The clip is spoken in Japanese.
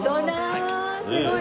すごい！